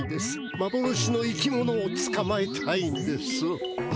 まぼろしの生き物をつかまえたいんです。